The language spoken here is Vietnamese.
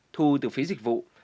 thu từ phí dịch vụ